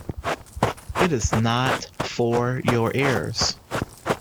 It is not for your ears.